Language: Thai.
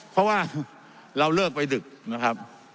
เพราะว่าเราเลิกไปดึกนะครับ